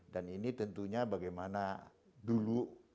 dan ini tentunya bagaimana dulu